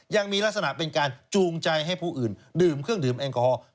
ยังมีลักษณะเป็นการจูงใจให้ผู้อื่นดื่มเครื่องดื่มแอลกอฮอล์